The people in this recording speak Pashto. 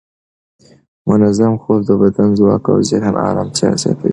منظم خوب د بدن ځواک او ذهني ارامتیا زیاتوي.